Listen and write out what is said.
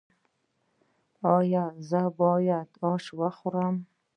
ایا زه باید اش وخورم؟